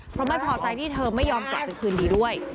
เพราะไม่พอใจที่เธอไม่ยอมกลับไปคืนดีด้วย